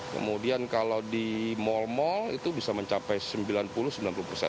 kemudian kalau di mal mal itu bisa mencapai sembilan puluh sembilan puluh persen